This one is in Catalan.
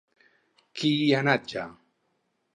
Qui hi ha anat ja?